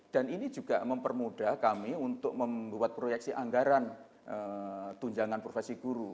dan ini juga mempermudah kami untuk membuat proyeksi anggaran tunjangan profesi guru